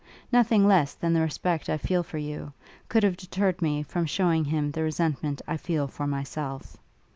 Nothing less than the respect I feel for you, could have deterred me from shewing him the resentment I feel for myself.